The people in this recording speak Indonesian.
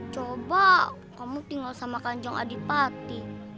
coba kamu tinggal sama kanjong adipati